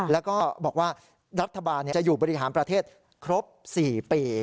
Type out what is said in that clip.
แล้วก็บอกว่ารัฐบาลจะอยู่บริหารประเทศครบ๔ปี